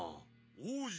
おうじ！